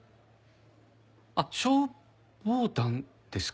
あっ消防団ですか？